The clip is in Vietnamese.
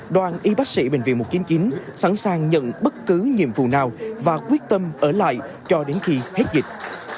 đoàn y bác sĩ bệnh viện một trăm chín mươi chín sẵn sàng nhận bất cứ nhiệm vụ nào và quyết tâm ở lại cho đến khi hết dịch